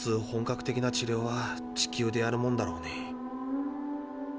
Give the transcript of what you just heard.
本格的な治療は地球でやるもんだろうに。